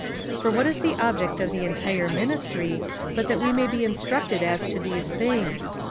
For what is the object of the entire minis try, but that we may be instructed as to these things